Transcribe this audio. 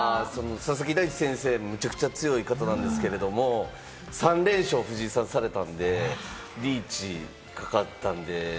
佐々木大地先生、めちゃくちゃ強い方なんですけれど、３連勝、藤井さんがされたんで、リーチかかったんで。